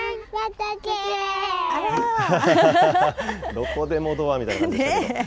どこでもドアみたいな感じでしたけども。